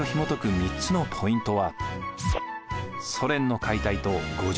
３つのポイントは。